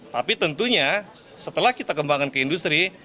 tapi tentunya setelah kita kembangkan ke industri